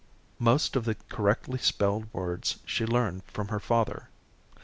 Most of the correctly spelled words she learned from her father.